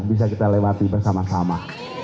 bisa kita lewati bersama sama